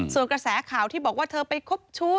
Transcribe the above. ส่วนกระแสข่าวที่บอกว่าเธอไปคบชู้